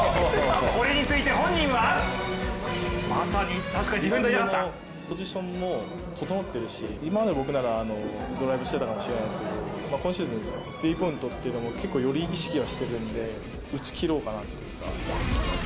これについて本人はポジションも整ってるし、今までの僕ならドライブしてたかもしれないんですけど、今シーズンスリーポイントというのも結構より意識はしてるんで、打ち切ろうかなというか。